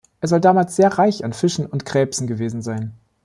Er soll damals sehr reich an Fischen und Krebsen gewesen sein.